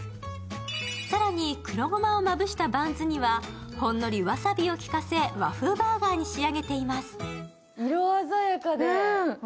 更に黒ごまをまぶしたバンズにはほんのりわさびを効かせ和風バーガーに仕上げています。